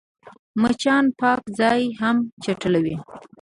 مچان پاک ځای هم چټلوي